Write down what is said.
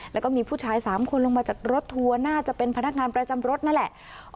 แล้วก็มีผู้ชาย๓คนลงมาจากรถทัวร์น่าจะเป็นพนักงานประจำรถนั่นแหละ